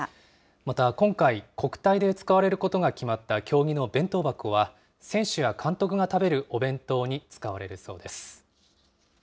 また今回、国体で使われることが決まった経木の弁当箱は、選手や監督が食べるお弁当に使われるそうです。